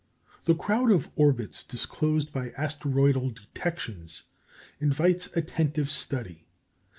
The crowd of orbits disclosed by asteroidal detections invites attentive study.